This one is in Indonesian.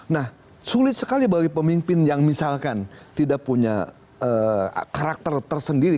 nah sulit sekali bagi pemimpin yang misalkan tidak punya karakter tersendiri